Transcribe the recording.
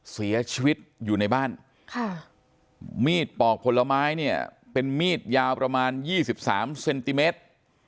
เสียชีวิตอยู่ในบ้านมีดปอกผลไม้เนี่ยเป็นมีดยาวประมาณ๒๓เซนติเมตร